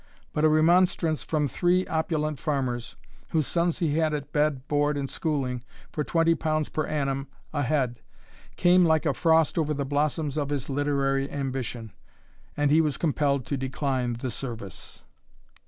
But a remonstrance from three opulent farmers, whose sons he had at bed, board, and schooling, for twenty pounds per annum a head, came like a frost over the blossoms of his literary ambition, and he was compelled to decline the service.